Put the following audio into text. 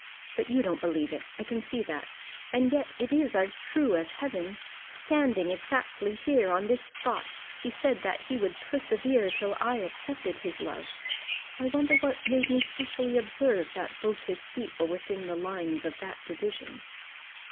But you don't believe it; I can see that. And yet it is as true as heaven. Standing exactly here, on this spot, he said that he would persevere till I accepted his love. I wonder what made me specially observe that both his feet were within the lines of that division."